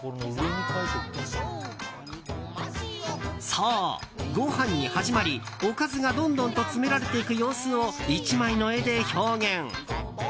そう、ご飯に始まりおかずがどんどんと詰められていく様子を１枚の絵で表現。